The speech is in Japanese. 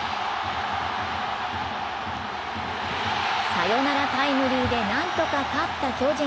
サヨナラタイムリーで何とか勝った巨人。